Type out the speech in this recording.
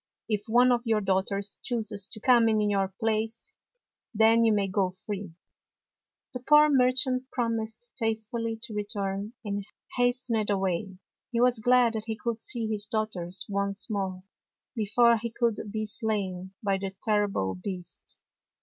If one of your daughters chooses to come in your place, then you may go free." The poor merchant promised faithfully to return, and hastened away. He was glad that he could see his daughters once more, before he should be slain by the terrible beast.